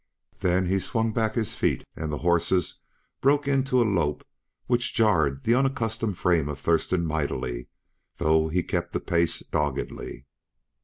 Then he swung back his feet and the horses broke into a lope which jarred the unaccustomed frame of Thurston mightily, though he kept the pace doggedly.